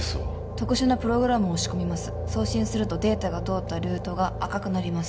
特殊なプログラムを仕込みます送信するとデータが通ったルートが赤くなります